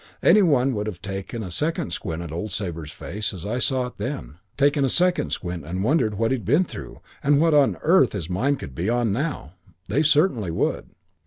Any one would have taken a second squint at old Sabre's face as I saw it then taken a second squint and wondered what he'd been through and what on earth his mind could be on now. They certainly would.